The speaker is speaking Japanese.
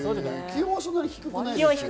気温はそんなに低くないですね。